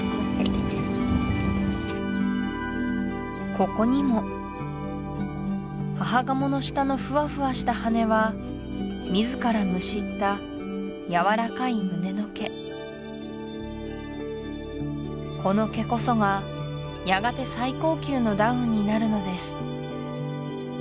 ここにも母ガモの下のふわふわした羽根は自らむしった柔らかい胸の毛この毛こそがやがて最高級のダウンになるのです